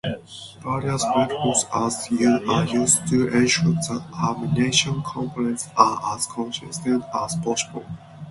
Various methods are used to ensure that ammunition components are as consistent as possible.